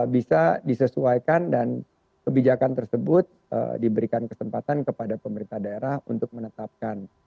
bisa disesuaikan dan kebijakan tersebut diberikan kesempatan kepada pemerintah daerah untuk menetapkan